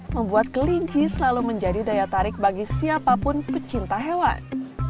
membuat kelinci selalu menjadi daya tarik bagi siapapun pecinta hewan